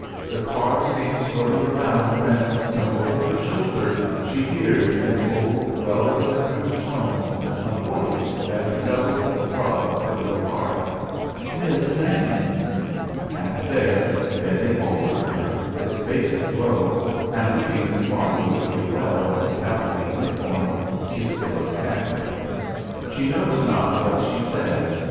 The car seems whirling around when, from over her shoulder, she hears, in the old, well remembered tones, a voice that redoubles the throb of her little heart. "Miss Nannie!" And there bending over her, his face aglow, and looking marvellously well in his cavalry uniform is Philip Stanley. She knows not what she says.